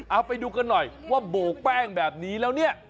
เอาไปดูกันหน่อยว่าโบกแป้งแบบนี้แล้วเนี่ย